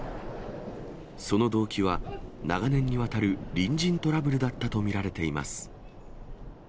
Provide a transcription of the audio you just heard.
その動機は、長年にわたる隣人トラブルだったと見られています。